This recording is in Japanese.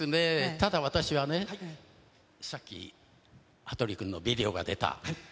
ただ私はね、さっき、羽鳥君のビデオが出た。